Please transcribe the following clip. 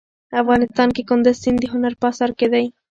افغانستان کې کندز سیند د هنر په اثار کې دی.